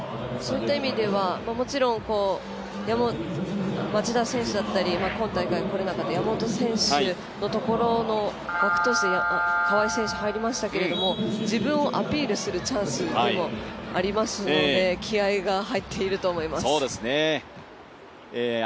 もちろん町田選手だったり今大会来られなかった山本選手のところのその枠として、川井選手が入りましたが、自分をアピールするチャンスでもあるので気合いが入っていると思います。